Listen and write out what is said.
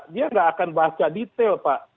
dia nggak akan baca detail pak